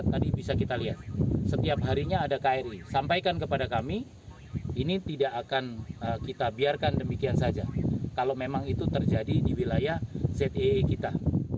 pertanyaan terakhir bagaimana menurut anda